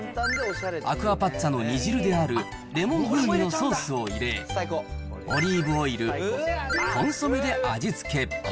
アクアパッツァの煮汁であるレモン風味のソースを入れ、オリーブオイル、コンソメで味付け。